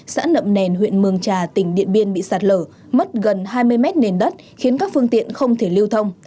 xã nậm đèn huyện mường trà tỉnh điện biên bị sạt lở mất gần hai mươi mét nền đất khiến các phương tiện không thể lưu thông